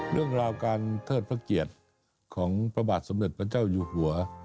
เรื่องราวการเทิดพระเกียรติของพระบาทสมเด็จพระเจ้าอยู่หัว